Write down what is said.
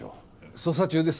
・捜査中です